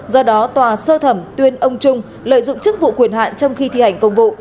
do đó tòa sơ thẩm tuyên ông trung lợi dụng chức vụ quyền hạn trong khi thi hành công vụ